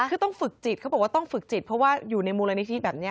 คือต้องฝึกจิตเขาบอกว่าต้องฝึกจิตเพราะว่าอยู่ในมูลนิธิแบบนี้